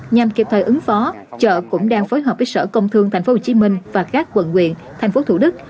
nhằm kịp thời ứng phó chợ cũng đang phối hợp với sở công thương tp hcm và các quận quyền thành phố thủ đức